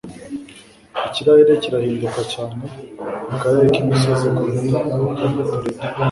Ikirere kirahinduka cyane mukarere k'imisozi kuruta mu tundi turere